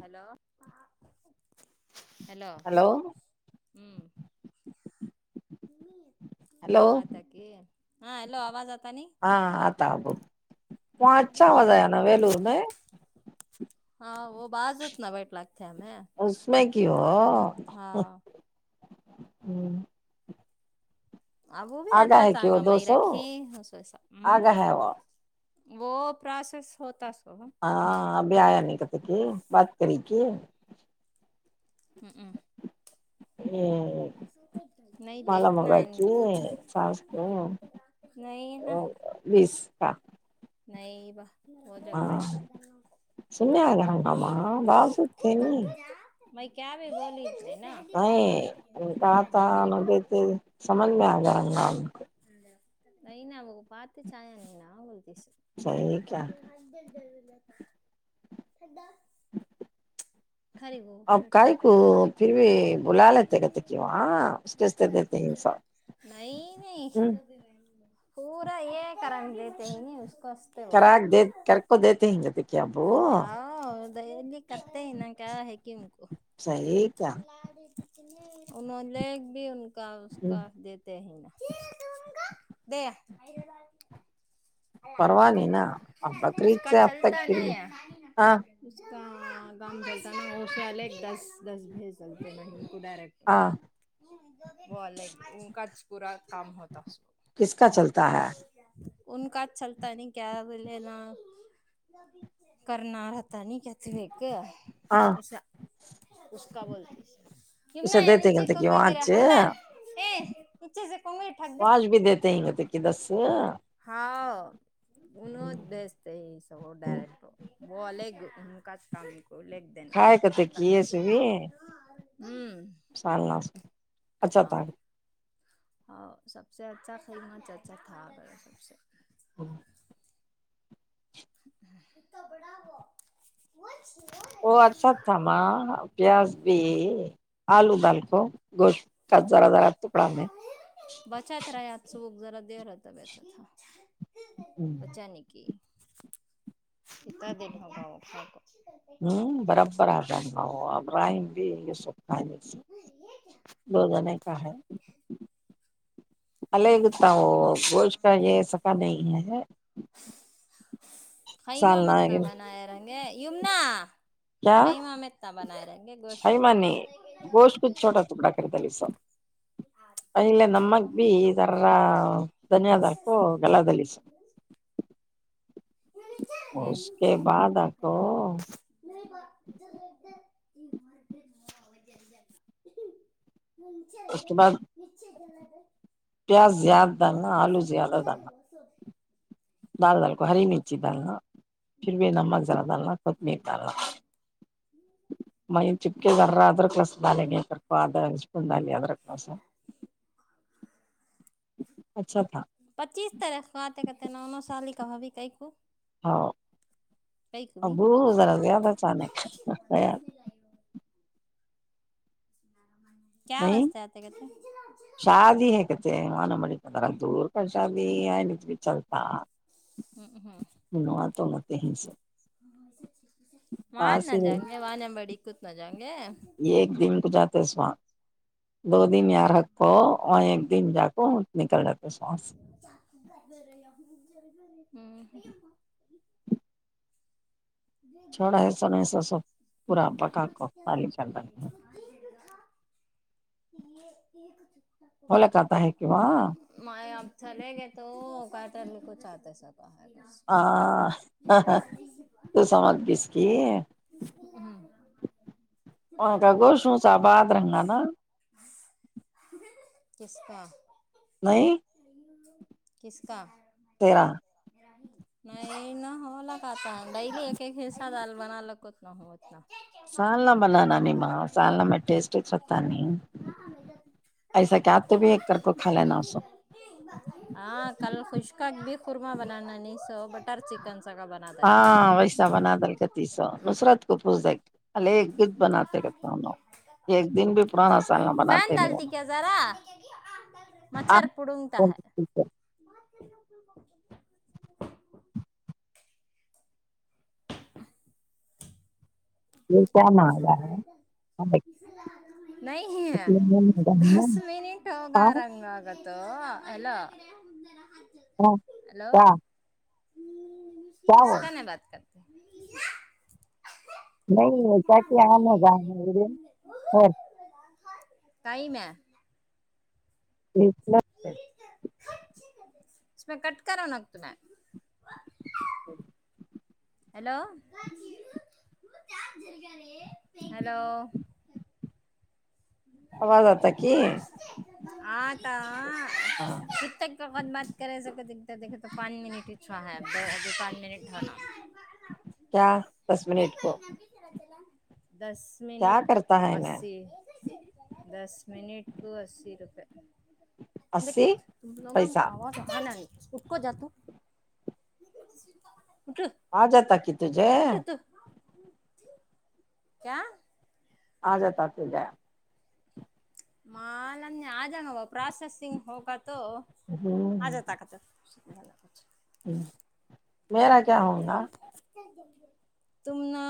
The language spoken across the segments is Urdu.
ہلو ہیلو ہلو ہلو آ ت کی ہاں ہیلو آواز آ ہاں آتا آابو وہاں اچھا ہوازہ آ نا ویلور میں [unintelligible] اس [unintelligible] [unintelligible] [unintelligible] آگا ہے کی وہ دو سو [unintelligible] آگا ہے وہ [unintelligible] [unintelligible] [unintelligible] [unintelligible] [unintelligible] مالا مگا کی ساس کو [unintelligible] بیس کا ہاں [unintelligible] سننے آ گا ہنگامہ باز تھے نہیں [unintelligible] نہیں کہ تھا کہ تھ سمجھ میں آ ج گا کو نہیںین کو پات چاہ نہیں ن صحیح کیا ج ھڈا آپ کائی کو پھر بھی بلاال ت کتی کیواں اسد س نہیں نہیں ہ پورا یہ کرم دیتے ہی ن اس کو ہستے وہ کراک دے کر کو دیتے ہیں کہتے کہ ابو ہ دہلی کرتے ہی نا کیا ہےم کو صحیح کیا [inaudible] [inaudible] کا اس کا دیتے ہیں نا [inaudible] پرواہ نہیں نا اب اس بقرعید کا سے اب تک چلتا پھر بھی نہیں ہے ہاں [inaudible] گاؤں بولتا نا ہوش والے ایک دس دس [inaudible] بھی سلتے ہاں نہیں [inaudible] [inaudible] [inaudible] کس کا چلتا ہے ان کا چھلتا نہیں کیا لینا کرناتا پتا نہیں کہتی ایک ہاں اس اس کا بولتی اسے یمنا یا دیتے نیچے گتے کہ کنگے گرا وچ ہمدان اے نیچے سے کنگے ٹھگ دے وانچ بھی دیتے ہیں گتے کہ دس [inaudible] ہاں اننوں بھیجتے یہ سب ڈائریکٹ بے [inaudible] انک کام کر کو لکھ کھائے کہتے دیناتا کہ یہ سوی ہ [inaudible] سالنا سے اچھا ت ہاں سب سے اچھا قیمت اچھا تھا سب سے [inaudible] بڑا وہ [inaudible] وہ اچھا اچ تھااما پیاز بھی آلو ڈالکھو گوشت [inaudible] کچ ذرا ذرا ٹکڑا میں [inaudible] بچت رہا آج صبح ذرا دے رہتا بیچا تھ [inaudible] پچا ن کی ات دن ہوگا آا [inaudible] ہ [inaudible] ہوں برابر آام ن آب رائم بھی سپ [inaudible] ج دو جنے کا ہے [inaudible] اللہ ایک گت نا وہ [inaudible] وہ اس کا یہ ایس کا نہیں ہے خیمہ سال میں اتنا ناگن بنایا رہ ومنا کیا گوشت ہی میں م بنائے نے گوشت کچھ چھوٹا ٹکڑا کرتا ل سب ائل نمگ بھی اار دھنیہ د آ کوو گلہل س اس کے بعد آکو [unintelligible] مچ ادر ج میں تھ پیاس زیاد دان نا آلوزیاد دان دال دال کو ہری مرچ دالناا شھربے نمک زر دالنا ک مت ال مئیین چپ کے دررار کس [unintelligible] [unintelligible] اچھا تھا [unintelligible] ہاں ابو [unintelligible] ذرا زیادہ اچانک [unintelligible] کیا واسطے آتے کہتے ہیں [unintelligible] [unintelligible] [unintelligible] [unintelligible] پاس ہی [unintelligible] [unintelligible] [unintelligible] [unintelligible] [unintelligible] چھوڑا ہے سونے سو سو پورا پکا کو خالی کر رکھے بولا کہتا ہے کہ وہاں [unintelligible] کچھ [unintelligible] [unintelligible] [unintelligible] [unintelligible] [unintelligible] تیرا [unintelligible] [unintelligible] [unintelligible] [unintelligible] [unintelligible] ہاں [unintelligible] [unintelligible] [unintelligible] [unintelligible] [unintelligible] [unintelligible] کیا وہ [unintelligible] ہاں کیا کیا آ م ج یمہ ج [unintelligible] اس میں کٹ کرا ن ت میں ہیلو ہلو آواز آتا کی داں ہاں ک تک کاق بات کرے سے دیک تو پانی میں ن چھو ہے دوجی پانچ منٹ ڈ کیا دس منٹ کو دس کیا منٹ کرتا ہے میں اسی دس منٹ کو اسی روپئے دک اسی لوگا پیسہ ہم کہ کو جات آ جات ت کت [unintelligible] تھے کیا آ جا تو جیا [unintelligible] مالان آجان وہ پرسسگ ہوگت تو تو آچ جا تقات ج [inaudible] ہ میرا کیا ہووںگا تم نے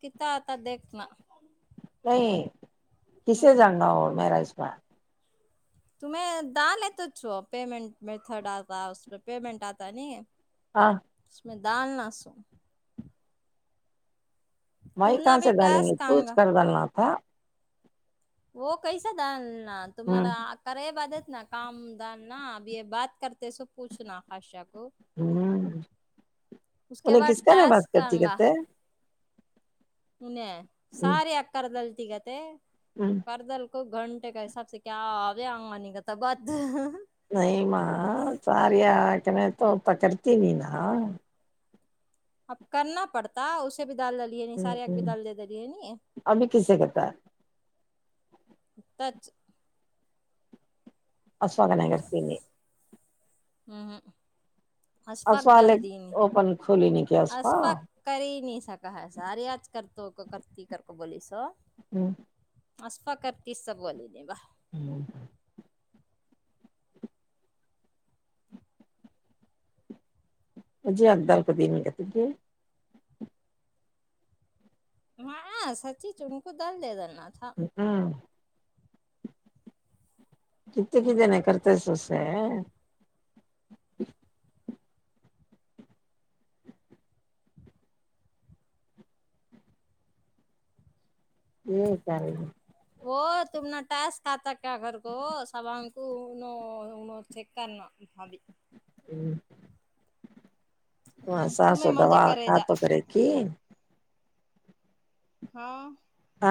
کتنا آتا دیکھنا نہیں ہ کسے جاننا اور ماراجبا تمیں دان توچ پمینٹ متھڈ آتا پیمنٹ آتا نہیں ہاں م میںیدان ناسوں بھائی تم نہ کہاں بھی سے ڈالیں گے ٹاسک تچ آنگا کر ڈالنا تھا وہ کیسا دال تم ہ کری باد انا کام دار نا اب یہ بات کرتے سو پوچھنا خاشہ کو ہوں ج اس [inaudible] کے انہیں کس بعد کا ہے بات ٹاسک کرتی کہتے ہیں ہ نےیں سارے اکردل تیقات پرردل کو گھنٹے کا حساب سے کیا آبے آگمنی کا تو بت نہیںئیم ساریکن تو پ کرتیین ن اب کرنا پڑتا اسے بھی ڈل د لی ہے ن سارے آگ بھی ڈل دے دلی ہےنی ابھی کسے کرتا ہے تچ آسواگانگررتے ہوں اشفق اسوا دال والے دی نہیں اوپن کھولی نہیں کیا اسوا اصفق کر نہیں سکا ہے سار آج کرتے کرتی کر ق بلی س ہوں آسفقت سا بلی نہیں با مجھے م جے ا دار کو د نہیں گ تے ہاں سچی چ ان کو دال دے دینا تھا ہاں کتنے ک ج نہیں کرتے سو سےے یہ ساری گ وہ تمنا ٹس کھاتا کیا گھر کو سبگ [unintelligible] ہوں ہاں سا سو دوا کھات کرے کھی ہاں ہ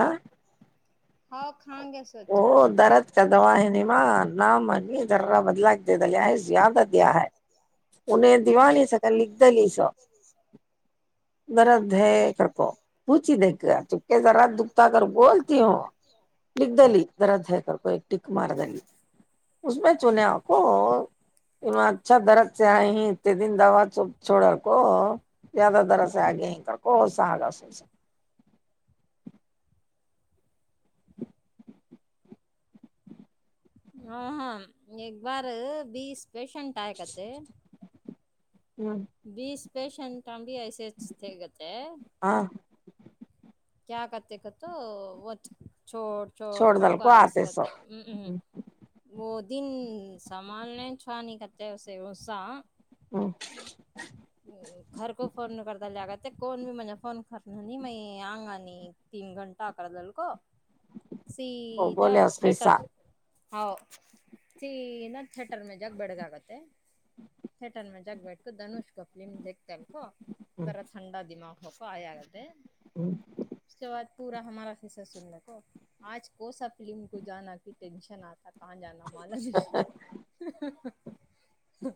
ہاں [unintelligible] [unintelligible] [unintelligible] [unintelligible] دکھتا کر بولتی ہوں [unintelligible] ہ ہاں ایک بار بیس پیشنٹ آ کتے بیس [unintelligible] [unintelligible] [inaudible] [unintelligible] [unintelligible] [unintelligible] ہوں [unintelligible] [unintelligible] [unintelligible] وہ بولے اس پہ سا [unintelligible] [unintelligible] [unintelligible] [unintelligible] [unintelligible] اس کے بعد پورا ہمارا حصہ سننے کو آج کو سا فلم کو جانا کی ٹینشن آتا [unintelligible] [unintelligible]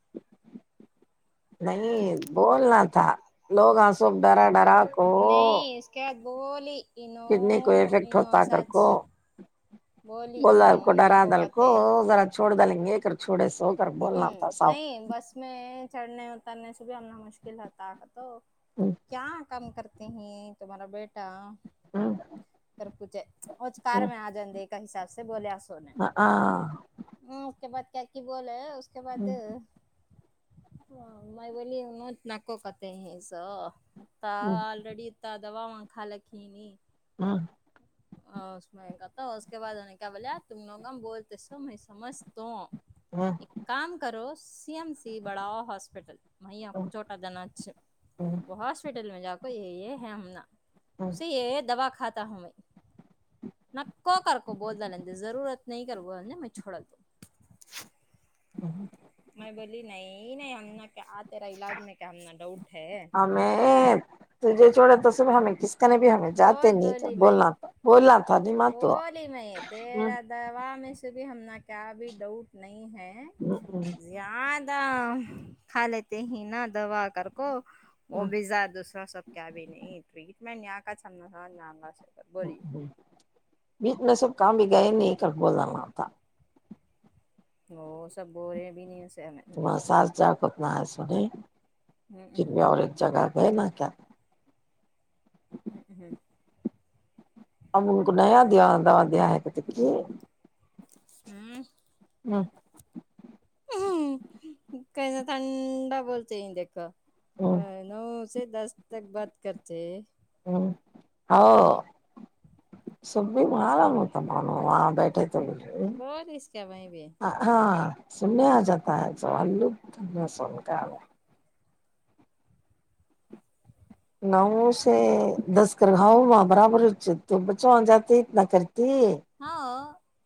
[unintelligible] نہیں [unintelligible] [unintelligible] انو سچ [unintelligible] بولی انو نکو کتے [unintelligible] کر بولنا تھا صاحب [unintelligible] [unintelligible] [unintelligible] [unintelligible] [unintelligible] [unintelligible] [unintelligible] [unintelligible] [unintelligible] [unintelligible] [unintelligible] [unintelligible] [unintelligible] [unintelligible] کو یہ ہے ہمنا ی یہ دوا کھاتا ہوں میں میں کو کر کو بول د ل ضرورت نہیں کر نے میں چھوڑا د ہ ہ نہیں نہیں ہم کیا تیرا علاج میں کیا ہمنا ڈاؤٹ ہے جوڑے تو صبح ہمیں کس نے بھی ہمیں جاتے بہت نہیں کر بولی میں بولنا تو بولنا تھا نما تو بولی میں تیرا دوا میں بھی ہمنا کیا بھی ڈاؤٹ نہیں ہے زیاد کھا لیےتے ہی نہا دوا کر کو وہ بھی ز دوسرا سب کیا بھی نہیں ٹٹمنٹ اا چند تھا نام ا ہ بیچ میں سب کہاں بھی گئے نہیں کر بولا تھا وہ سب بول رہے ہیں بھی نہیں ہمیں تساال جا لا سلی جھر ہ بھی اور ایک جگہ بئے مسا ہوں ہوں ا ان کو نیا د د دیا ہے کہ تھ ہوں ہوں کہ تڈا بوللی چ دک ہاں نا سے دس تک بات کرتے ہیں ہ ہ سب بھی مارام تمر وہاں بیٹھے بول اس کا بھائی بھی ہاں سننے آ جاتا ہے س ال سن کر ن سے دس کر ہاؤاں برابر ہو تو بچوںاں جاتے اتنا کر ہاں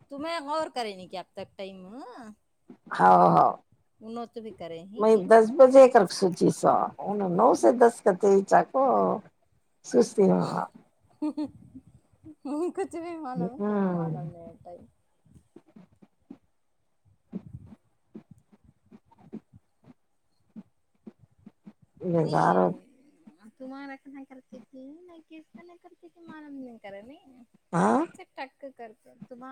تمیں غور کری ن کیاب تک ٹائم ہاں ہاں انوں تو بھی کرے ہی میں دس بجے کر سوچی سو ا نو سو دس کا تھ چاہ کو سستیاہ بت کچھ بھی مانو ہےنا ہوں مانو نہیں اتا ہے بزار نہیں تمہارا کہ نہیں کرتے کہ نہیںک کا نہیں کرتے کہ مان مجن کر نہیں ہاں اچھا ٹک کر کے ت